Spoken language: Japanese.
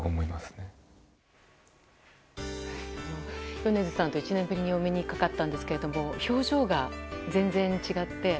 米津さん、１年ぶりにお目にかかったんですけど表情が全然違って。